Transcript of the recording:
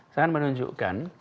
saya ingin menunjukkan